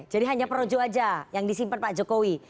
jadi hanya projo aja yang disimpan pak jokowi